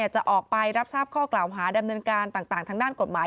จะออกไปรับทราบข้อกล่าวหาดำเนินการต่างทางด้านกฎหมาย